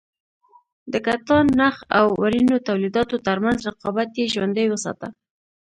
د کتان- نخ او وړینو تولیداتو ترمنځ رقابت یې ژوندی وساته.